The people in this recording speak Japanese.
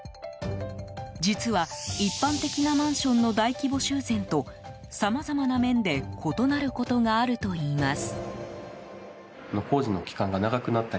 実は、一般的なマンションの大規模修繕とさまざまな面で異なることがあるといいます。